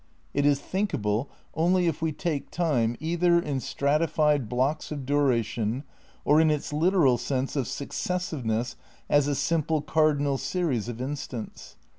^ It is thinkable Kevers only if we take time, either in stratified blocks of dura \^e tion, or in its literal sense of successiveness as a simple Series cardinal series of instants.